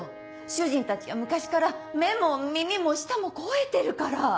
主人たちは昔から目も耳も舌も肥えてるから。